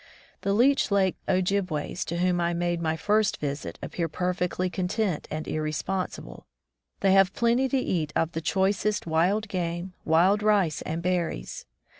The Leech Lake Ojibways, to whom I made my first visit, appear perfectly con tented and irresponsible. They have plenty to eat of the choicest wild game, wild rice and berries.